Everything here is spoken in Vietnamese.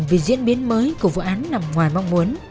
vì diễn biến mới của vụ án nằm ngoài mong muốn